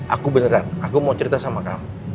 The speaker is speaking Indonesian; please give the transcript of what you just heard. aku beneran aku mau cerita sama kamu